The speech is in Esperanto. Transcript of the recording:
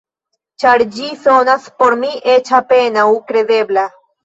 Ĉar ĝi sonas por mi eĉ apenaŭ kredebla.